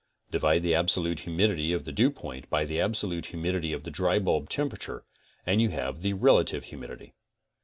Divide the absolute humidity of the dew point by the absolute humidity of the dry bulb temperature and you have the relative humidity.